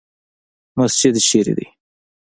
مسجد چیرته دی؟